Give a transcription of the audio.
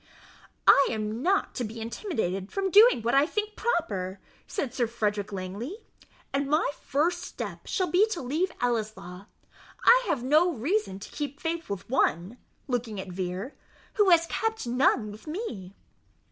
"I am not to be intimidated from doing what I think proper," said Sir Frederick Langley; "and my first step shall be to leave Ellieslaw. I have no reason to keep faith with one" (looking at Vere) "who has kept none with me."